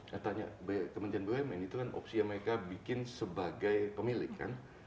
saya tanya kementerian bumn itu kan opsi yang mereka bikin sebagai pemilik kan